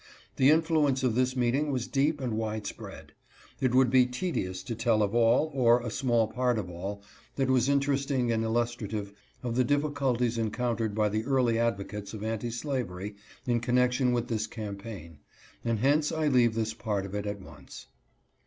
The influence of this meeting was deep and wide spread. It would be tedious to tell of all, or a small part of all that was interesting and illustrative of the difficulties encoun tered by the early advocates of anti slavery in connection with this campaign, and hence I leave this part of it at once.